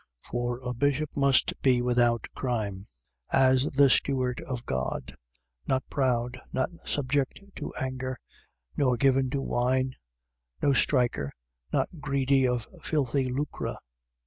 1:7. For a bishop must be without crime, as the steward of God: not proud, not subject to anger, nor given to wine, no striker, not greedy of filthy lucre: 1:8.